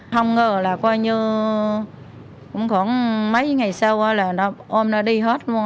không ngờ là coi như cũng khoảng mấy ngày sau là ôm nó đi hết luôn